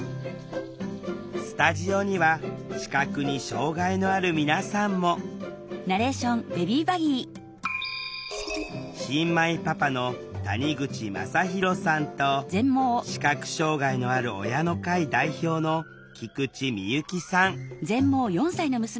スタジオには視覚に障害のある皆さんも新米パパの谷口真大さんと視覚障害のある親の会代表の菊地美由紀さん